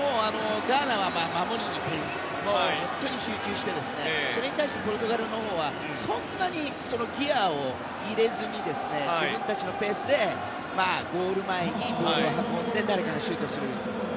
ガーナは守りに集中してそれに対してポルトガルのほうはそんなにギアを入れずに自分たちのペースでゴール前にボールを運んで誰かがシュートする。